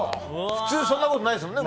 普通そんなことないですもんね。